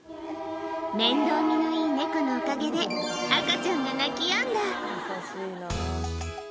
面倒見のいいネコのおかげで、赤ちゃんが泣きやんだ。